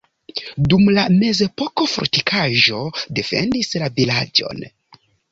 Dum la mezepoko fortikaĵo defendis la vilaĝon.